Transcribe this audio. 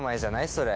それ。